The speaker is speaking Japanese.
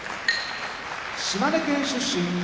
島根県出身